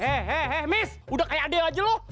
he he he miss udah kayak adek aja lu